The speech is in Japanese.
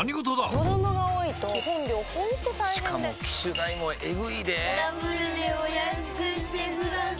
子供が多いと基本料ほんと大変でしかも機種代もエグいでぇダブルでお安くしてください